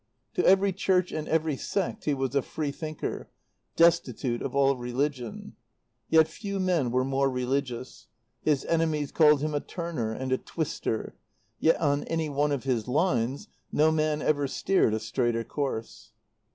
To every Church and every sect he was a free thinker, destitute of all religion. Yet few men were more religious. His enemies called him a turner and a twister; yet on any one of his lines no man ever steered a straighter course.